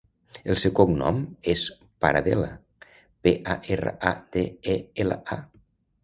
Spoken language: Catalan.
El seu cognom és Paradela: pe, a, erra, a, de, e, ela, a.